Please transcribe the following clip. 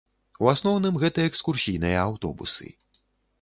У асноўным, гэта экскурсійныя аўтобусы.